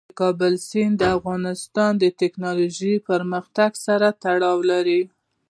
د کابل سیند د افغانستان د تکنالوژۍ پرمختګ سره تړاو لري.